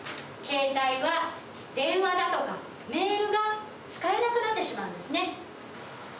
携帯は電話だとか、メールが使えなくなってしまうんですね。